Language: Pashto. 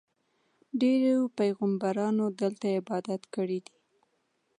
ډېرو پیغمبرانو دلته عبادت کړی دی.